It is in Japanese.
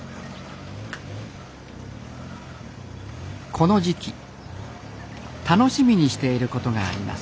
この時期楽しみにしていることがあります